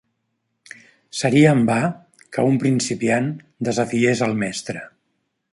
Seria en va que un principiant desafiés al mestre.